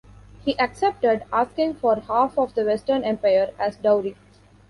He accepted, asking for half of the western Empire as dowry.